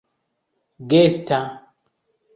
gesta